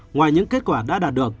ngoài những kết quả đã đạt được